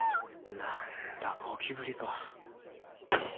なんだゴキブリか。